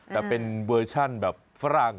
แต่เป็นเวอร์ชั่นแบบฝรั่ง